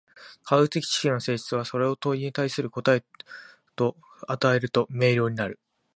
科学的知識の性質は、それを問に対する答と考えると明瞭になる。